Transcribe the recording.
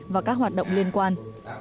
và các hoạt động liên quan